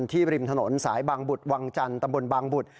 ที่ริมถนนสายบางบุดวางจันทร์ตระบุลบางบุฏ